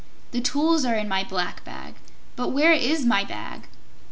The tools are in my Black Bag; but where is the Bag?"